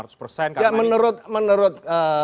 ya menurut saya kan kita kan harus mengatakan